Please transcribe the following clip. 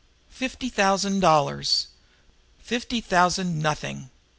Fifty thousand dollars! Fifty thousand nothing!